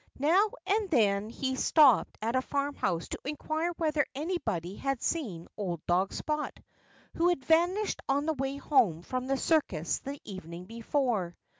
Now and then he stopped at a farmhouse to inquire whether anybody had seen old dog Spot, who had vanished on the way home from the circus the evening before.